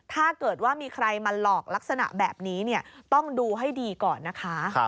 ถ้าเกิดว่ามีใครมาหลอกลักษณะแบบนี้ต้องดูให้ดีก่อนนะคะ